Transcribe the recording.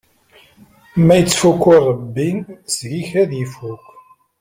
Ma ittfukku Ṛebbi, seg-k ad yi-ifukk!